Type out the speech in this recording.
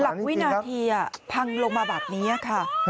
หลักวินาทีพังลงมาแบบนี้ค่ะ